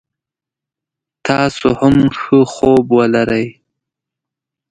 تاسو هم ښه خوب ولری